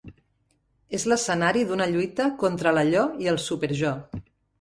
És l'escenari d'una lluita contra l'allò i el súper-jo.